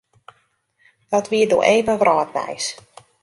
Dat wie doe even wrâldnijs.